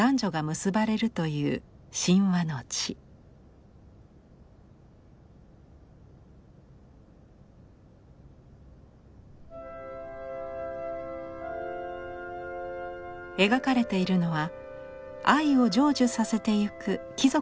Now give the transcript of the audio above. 描かれているのは愛を成就させていく貴族たちの姿です。